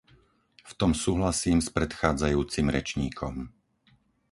V tom súhlasím s predchádzajúcim rečníkom.